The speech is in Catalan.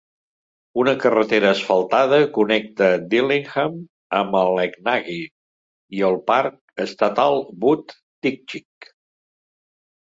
Una carretera asfaltada connecta Dillingham amb Aleknagik i el Parc estatal Wood-Tikchik.